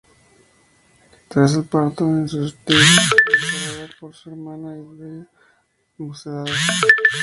Tras el parto, es sustituida temporalmente por su hermana Idoia en Mocedades.